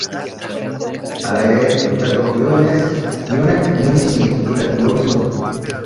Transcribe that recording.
Hala ere, Plutarkok dionez, Dionek Dionisio kritikatu ohi zuen.